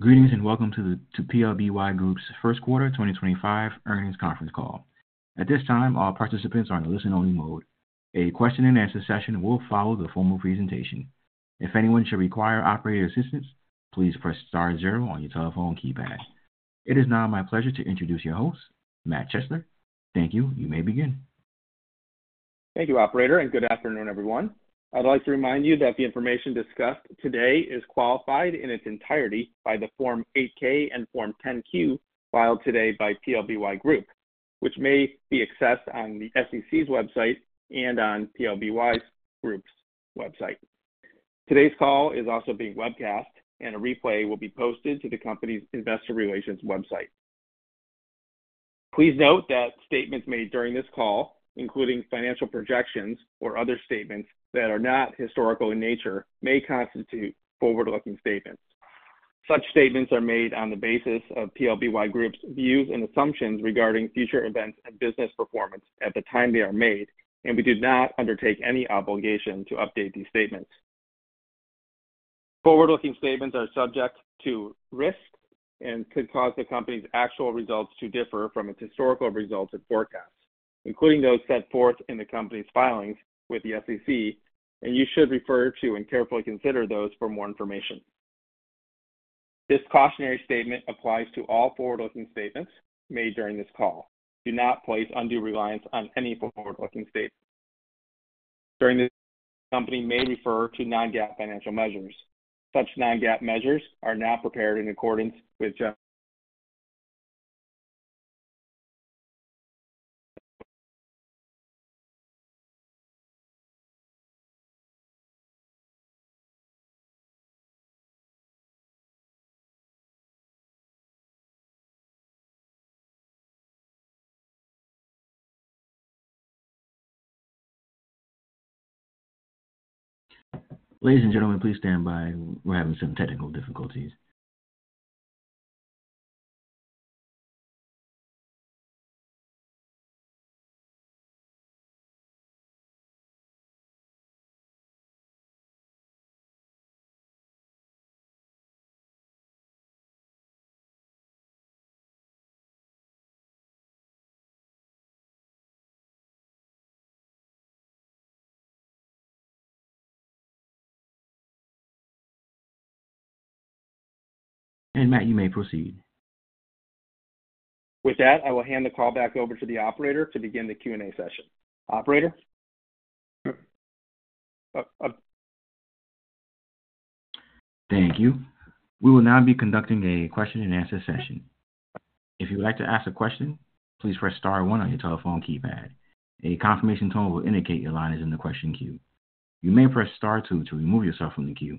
Greetings and welcome to the PLBY Group's First Quarter 2025 earnings conference call. At this time, all participants are in listen-only mode. A question-and-answer session will follow the formal presentation. If anyone should require operator assistance, please press star zero on your telephone keypad. It is now my pleasure to introduce your host, Matt Chesler. Thank you. You may begin. Thank you, Operator, and good afternoon, everyone. I'd like to remind you that the information discussed today is qualified in its entirety by the Form 8-K and Form 10-Q filed today by PLBY Group, which may be accessed on the SEC's website and on PLBY Group's website. Today's call is also being webcast, and a replay will be posted to the company's investor relations website. Please note that statements made during this call, including financial projections or other statements that are not historical in nature, may constitute forward-looking statements. Such statements are made on the basis of PLBY Group's views and assumptions regarding future events and business performance at the time they are made, and we do not undertake any obligation to update these statements. Forward-looking statements are subject to risk and could cause the company's actual results to differ from its historical results and forecasts, including those set forth in the company's filings with the SEC, and you should refer to and carefully consider those for more information. This cautionary statement applies to all forward-looking statements made during this call. Do not place undue reliance on any forward-looking statements. During this, the company may refer to non-GAAP financial measures. Such non-GAAP measures are not prepared in accordance [inaudible] Ladies and gentlemen, please stand by. We're having some technical difficulties. [inaudible] Matt, you may proceed. With that, I will hand the call back over to the Operator to begin the Q&A session. Operator. Thank you. We will now be conducting a question-and-answer session. If you would like to ask a question, please press star one on your telephone keypad. A confirmation tone will indicate your line is in the question queue. You may press star two to remove yourself from the queue.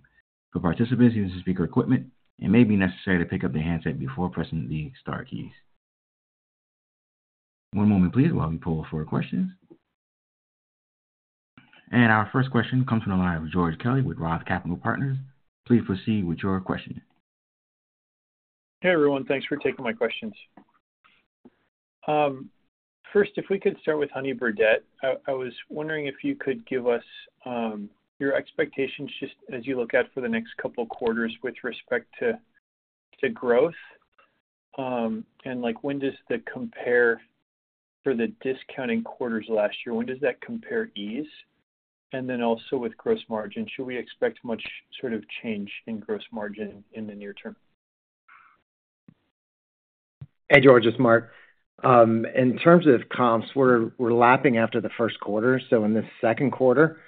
For participants using speaker equipment, it may be necessary to pick up the handset before pressing the star keys. One moment, please, while we pull for questions. Our first question comes from the line of George Kelly with Roth Capital Partners. Please proceed with your question. Hey, everyone. Thanks for taking my questions. First, if we could start with Honey Birdette, I was wondering if you could give us your expectations just as you look out for the next couple of quarters with respect to growth. When does the compare for the discounting quarters last year, when does that compare ease? Also, with gross margin, should we expect much sort of change in gross margin in the near term? Hey George, it's Matt. In terms of comps, we're lapping after the first quarter. In the second quarter,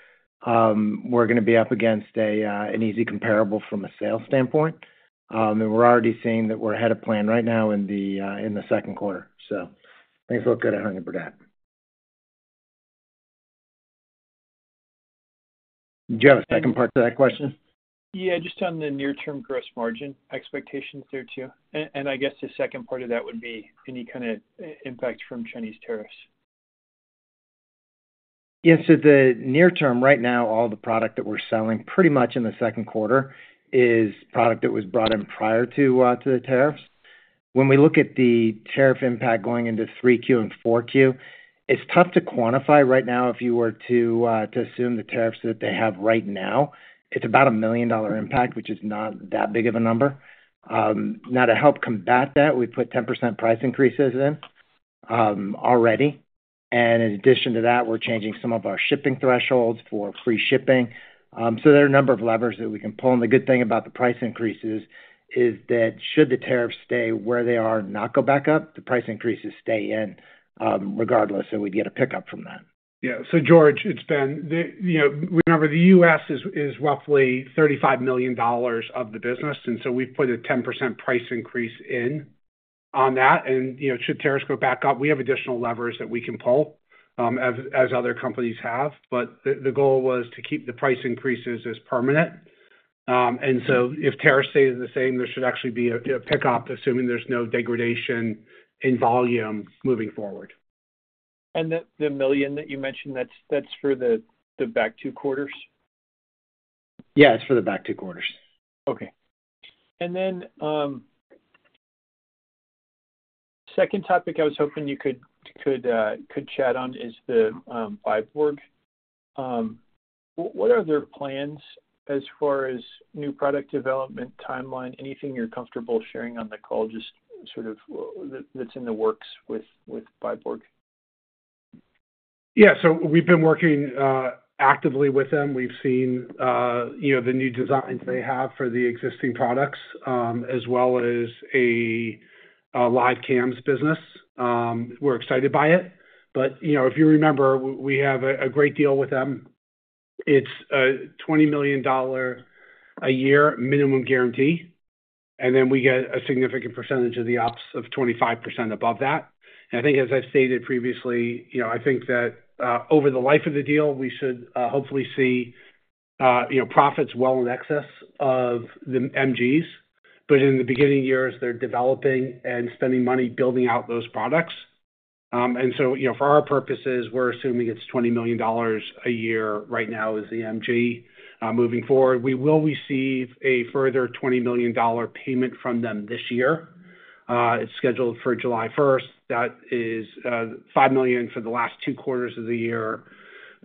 we're going to be up against an easy comparable from a sales standpoint. We're already seeing that we're ahead of plan right now in the second quarter. Things look good at Honey Birdette. Do you have a second part to that question? Yeah, just on the near-term gross margin expectations there too. I guess the second part of that would be any kind of impact from Chinese tariffs. Yeah, so the near-term right now, all the product that we're selling pretty much in the second quarter is product that was brought in prior to the tariffs. When we look at the tariff impact going into 3Q and 4Q, it's tough to quantify right now if you were to assume the tariffs that they have right now. It's about a $1 million impact, which is not that big of a number. Now, to help combat that, we put 10% price increases in already. In addition to that, we're changing some of our shipping thresholds for free shipping. There are a number of levers that we can pull. The good thing about the price increases is that should the tariffs stay where they are, not go back up, the price increases stay in regardless, so we'd get a pickup from that. Yeah. So George, it's been, remember, the U.S. is roughly $35 million of the business, and so we've put a 10% price increase in on that. Should tariffs go back up, we have additional levers that we can pull as other companies have. The goal was to keep the price increases as permanent. If tariffs stay the same, there should actually be a pickup, assuming there's no degradation in volume moving forward. The million that you mentioned, that's for the back two quarters? Yeah, it's for the back two quarters. Okay. Second topic I was hoping you could chat on is the Byborg. What are their plans as far as new product development timeline? Anything you're comfortable sharing on the call, just sort of that's in the works with Byborg? Yeah. So we've been working actively with them. We've seen the new designs they have for the existing products as well as a live cams business. We're excited by it. If you remember, we have a great deal with them. It's a $20 million a year minimum guarantee. We get a significant percentage of the ops of 25% above that. I think, as I've stated previously, I think that over the life of the deal, we should hopefully see profits well in excess of the MGs. In the beginning years, they're developing and spending money building out those products. For our purposes, we're assuming it's $20 million a year right now as the MG. Moving forward, we will receive a further $20 million payment from them this year. It's scheduled for July 1. That is $5 million for the last two quarters of the year,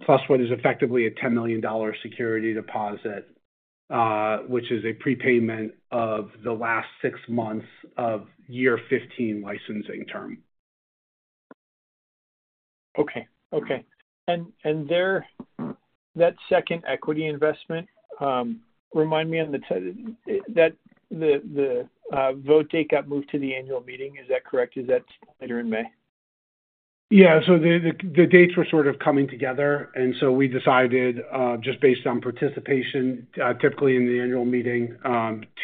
plus what is effectively a $10 million security deposit, which is a prepayment of the last six months of year 15 licensing term. Okay. Okay. And that second equity investment, remind me on the vote date, got moved to the annual meeting? Is that correct? Is that later in May? Yeah. The dates were sort of coming together. We decided, just based on participation, typically in the annual meeting,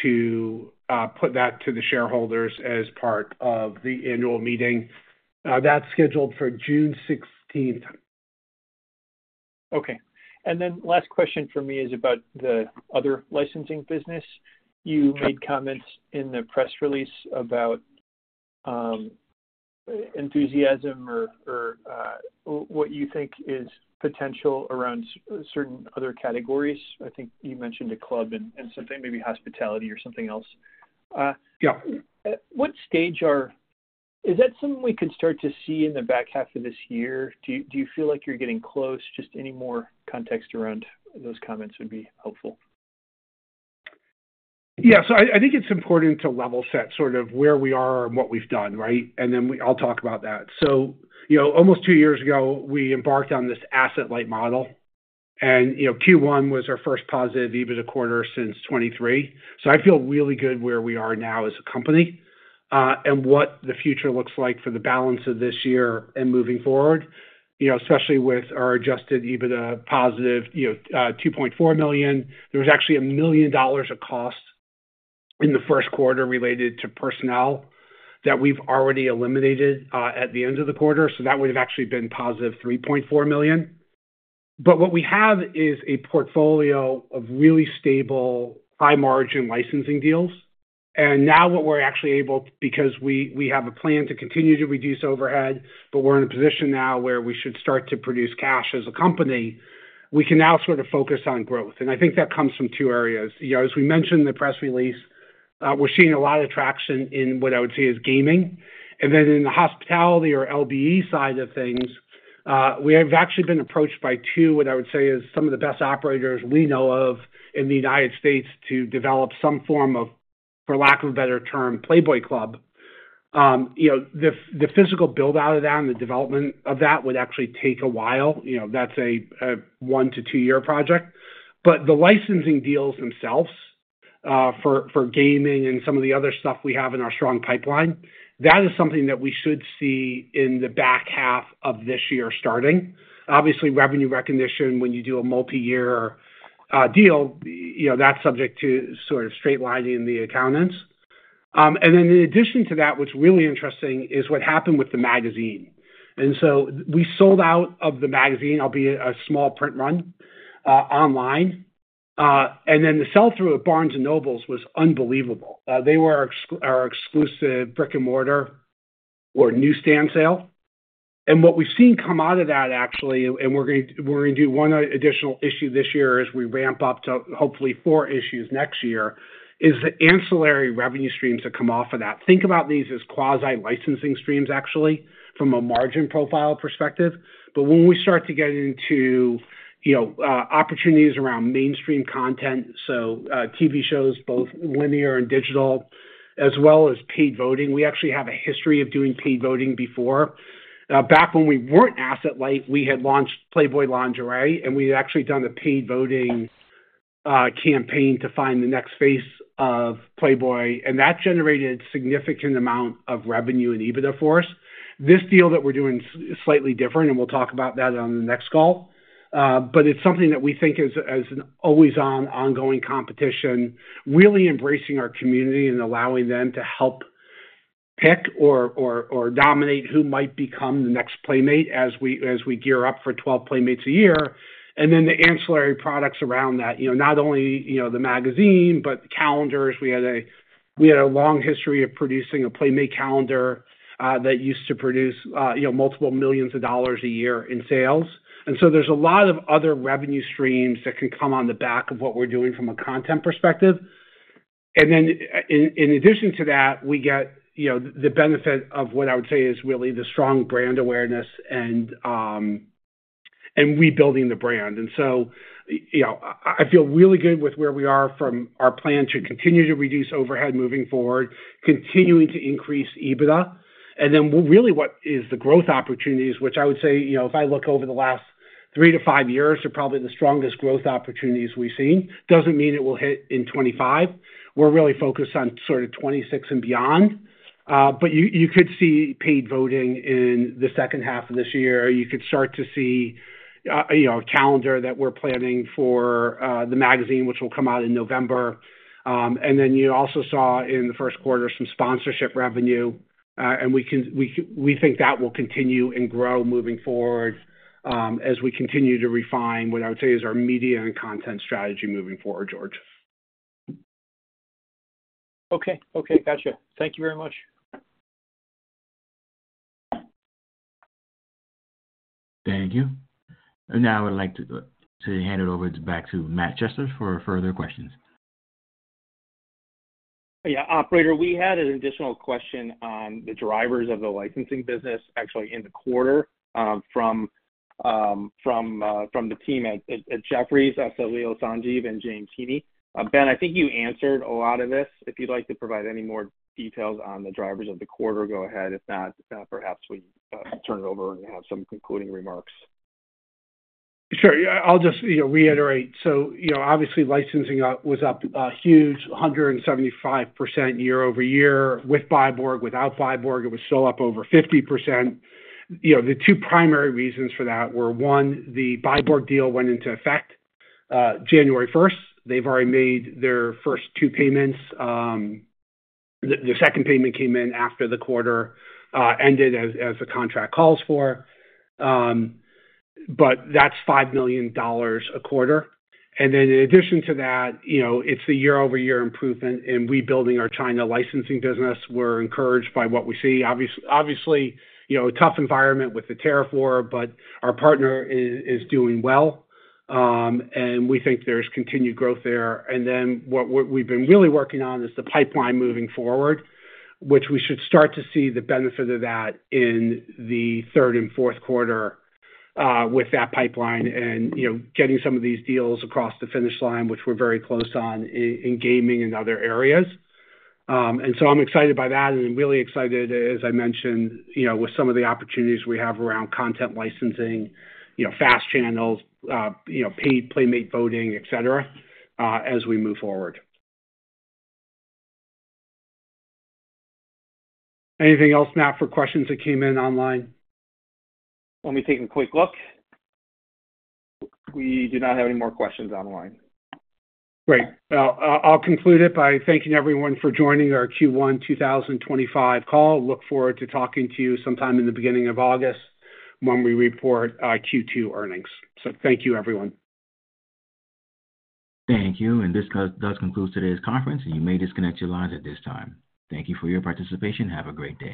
to put that to the shareholders as part of the annual meeting. That is scheduled for June 16th. Okay. Last question for me is about the other licensing business. You made comments in the press release about enthusiasm or what you think is potential around certain other categories. I think you mentioned a club and something, maybe hospitality or something else. Yeah. What stage is that something we could start to see in the back half of this year? Do you feel like you're getting close? Just any more context around those comments would be helpful. Yeah. I think it's important to level set sort of where we are and what we've done, right? Then I'll talk about that. Almost two years ago, we embarked on this asset-light model. Q1 was our first positive EBITDA quarter since 2023. I feel really good where we are now as a company and what the future looks like for the balance of this year and moving forward, especially with our adjusted EBITDA positive $2.4 million. There was actually $1 million of cost in the first quarter related to personnel that we've already eliminated at the end of the quarter. That would have actually been positive $3.4 million. What we have is a portfolio of really stable, high-margin licensing deals. Now what we are actually able, because we have a plan to continue to reduce overhead, but we are in a position now where we should start to produce cash as a company, we can now sort of focus on growth. I think that comes from two areas. As we mentioned in the press release, we are seeing a lot of traction in what I would say is gaming. Then in the hospitality or LBE side of things, we have actually been approached by two, what I would say is some of the best operators we know of in the United States to develop some form of, for lack of a better term, Playboy Club. The physical build-out of that and the development of that would actually take a while. That is a one to two-year project. The licensing deals themselves for gaming and some of the other stuff we have in our strong pipeline, that is something that we should see in the back half of this year starting. Obviously, revenue recognition, when you do a multi-year deal, that is subject to sort of straight-lining the accountants. In addition to that, what is really interesting is what happened with the magazine. We sold out of the magazine, albeit a small print run online. The sell-through at Barnes & Noble was unbelievable. They were our exclusive brick-and-mortar or newsstand sale. What we have seen come out of that, actually, and we are going to do one additional issue this year as we ramp up to hopefully four issues next year, is the ancillary revenue streams that come off of that. Think about these as quasi-licensing streams, actually, from a margin profile perspective. When we start to get into opportunities around mainstream content, so TV shows, both linear and digital, as well as paid voting, we actually have a history of doing paid voting before. Back when we were not asset-light, we had launched Playboy Lingerie, and we had actually done a paid voting campaign to find the next phase of Playboy. That generated a significant amount of revenue and EBITDA for us. This deal that we are doing is slightly different, and we will talk about that on the next call. It is something that we think is an always-on, ongoing competition, really embracing our community and allowing them to help pick or dominate who might become the next Playmate as we gear up for 12 Playmates a year. The ancillary products around that, not only the magazine, but calendars. We had a long history of producing a Playmate calendar that used to produce multiple millions of dollars a year in sales. There is a lot of other revenue streams that can come on the back of what we are doing from a content perspective. In addition to that, we get the benefit of what I would say is really the strong brand awareness and rebuilding the brand. I feel really good with where we are from our plan to continue to reduce overhead moving forward, continuing to increase EBITDA. What is the growth opportunities, which I would say if I look over the last three to five years, they are probably the strongest growth opportunities we have seen. It does not mean it will hit in 2025. We are really focused on sort of 2026 and beyond. You could see paid voting in the second half of this year. You could start to see a calendar that we are planning for the magazine, which will come out in November. You also saw in the first quarter some sponsorship revenue. We think that will continue and grow moving forward as we continue to refine what I would say is our media and content strategy moving forward, George. Okay. Okay. Gotcha. Thank you very much. Thank you. I would like to hand it over back to Matt Chesler for further questions. Yeah. Operator, we had an additional question on the drivers of the licensing business, actually in the quarter, from the team at Jefferies, Saleel Sanjeev and James Heeney. Ben, I think you answered a lot of this. If you'd like to provide any more details on the drivers of the quarter, go ahead. If not, perhaps we turn it over and have some concluding remarks. Sure. I'll just reiterate. So obviously, licensing was up huge, 175% year-over-year. With Byborg, without Byborg, it was still up over 50%. The two primary reasons for that were, one, the Byborg deal went into effect January 1. They've already made their first two payments. The second payment came in after the quarter ended as the contract calls for. But that's $5 million a quarter. In addition to that, it's the year-over-year improvement in rebuilding our China licensing business. We're encouraged by what we see. Obviously, a tough environment with the tariff war, but our partner is doing well. We think there's continued growth there. What we've been really working on is the pipeline moving forward, which we should start to see the benefit of in the third and fourth quarter with that pipeline and getting some of these deals across the finish line, which we're very close on in gaming and other areas. I'm excited by that and really excited, as I mentioned, with some of the opportunities we have around content licensing, fast channels, paid Playmate voting, et cetera, as we move forward. Anything else, Matt, for questions that came in online? Let me take a quick look. We do not have any more questions online. Great. I'll conclude it by thanking everyone for joining our Q1 2025 call. I look forward to talking to you sometime in the beginning of August when we report our Q2 earnings. Thank you, everyone. Thank you. This does conclude today's conference. You may disconnect your lines at this time. Thank you for your participation. Have a great day.